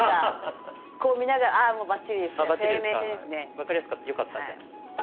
分かりやすかったよかったじゃあ。